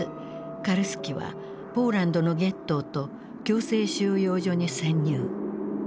カルスキはポーランドのゲットーと強制収容所に潜入。